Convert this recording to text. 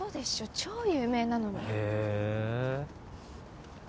超有名なのにへえ